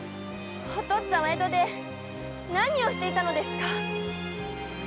おとっつぁんは江戸で何をしていたのですか？